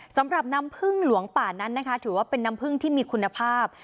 สำหรับน้ำพึ่งหลวงป่านั้นนะคะถือว่าเป็นน้ำพึ่งที่มีคุณภาพ